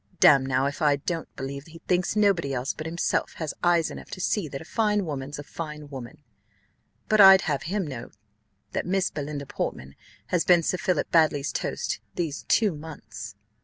Damme, now if I don't believe he thinks nobody else but himself has eyes enough to see that a fine woman's a fine woman; but I'd have him to know, that Miss Belinda Portman has been Sir Philip Baddely's toast these two months."